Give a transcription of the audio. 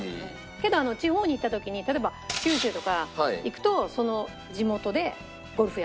けど地方に行った時に例えば九州とか行くとその地元でゴルフやって帰ってくる。